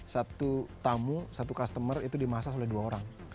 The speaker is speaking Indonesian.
satu tamu satu customer itu dimasak oleh dua orang